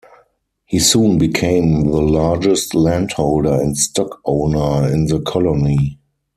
He soon became the largest landholder and stock-owner in the colony.